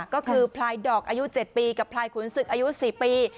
ก็คือพลายดอกอายุ๗ปีกับพลายขุนศึกอายุ๔ปี